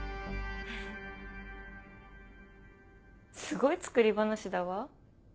すごい作り話だわ。